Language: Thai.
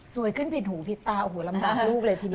ขึ้นผิดหูผิดตาโอ้โหลำบากลูกเลยทีนี้